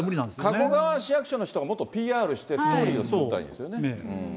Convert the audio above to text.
加古川市役所の人がもっとＰＲして、ストーリーを作ったらいいんですよね。